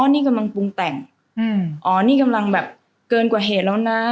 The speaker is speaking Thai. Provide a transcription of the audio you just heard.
นี่กำลังปรุงแต่งอ๋อนี่กำลังแบบเกินกว่าเหตุแล้วนะ